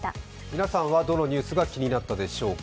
皆さんはどのニュースが気になったでしょうか。